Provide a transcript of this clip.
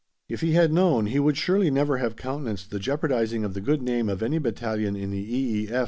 If he had known he would surely never have countenanced the jeopardising of the good name of any battalion in the E.